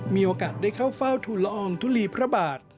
มีโอกาสได้เข้าเฝ้าทุนละอองทุลีพระบาท